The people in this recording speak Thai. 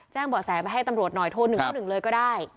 แจ้งบ่อแสงไปให้ตำรวจหน่อยโทรหนึ่งเลยก็ได้